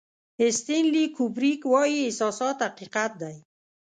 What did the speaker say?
استنلي کوبریک وایي احساسات حقیقت دی.